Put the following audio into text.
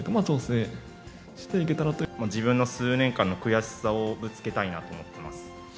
合わせて、自分の数年間の悔しさをぶつけたいなと思っています。